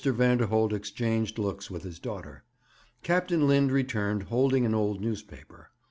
Vanderholt exchanged looks with his daughter. Captain Lind returned, holding an old newspaper.